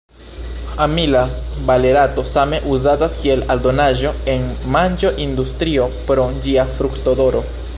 Amila valerato same uzatas kiel aldonaĵo en manĝo-industrio pro ĝia fruktodoro.